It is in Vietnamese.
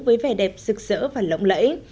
với vẻ đẹp rực rỡ và lộng lẫy